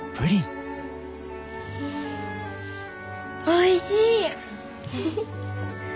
おいしい。